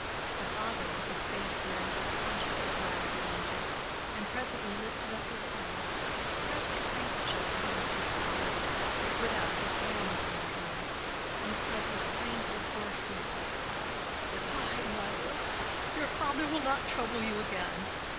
The father with his face buried was conscious that Mirah had entered, and presently lifted up his head, pressed his handkerchief against his eyes, put out his hand toward her, and said with plaintive hoarseness, "Good bye, Mirah; your father will not trouble you again.